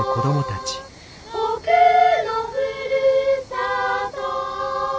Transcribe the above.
「僕のふるさと」